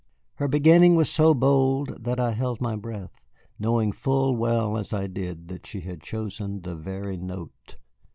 Her beginning was so bold that I held my breath, knowing full well as I did that she had chosen the very note.